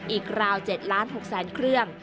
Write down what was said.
อีกราว๗ล้าน๖๐๐๐๐๐เครื่อง